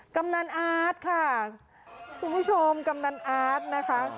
กำนันอาร์ตค่ะคุณผู้ชมกำนันอาร์ตนะคะ